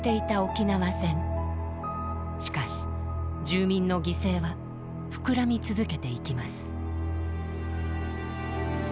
しかし住民の犠牲は膨らみ続けていきます。